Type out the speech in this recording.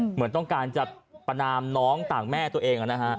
เหมือนต้องการจะประนามน้องต่างแม่ตัวเองนะฮะ